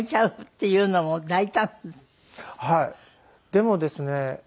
でもですね